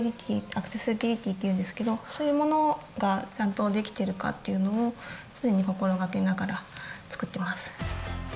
アクセシビリティっていうんですけどそういうものがちゃんとできてるかっていうのを常に心がけながら作ってます。